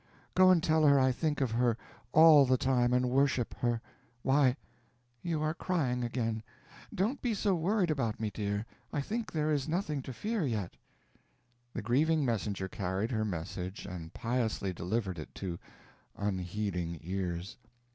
"Go and tell her I think of her all the time, and worship her. Why you are crying again. Don't be so worried about me, dear; I think there is nothing to fear, yet." The grieving messenger carried her message, and piously delivered it to unheeding ears.